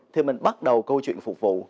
thì mình bắt đầu câu chuyện phục vụ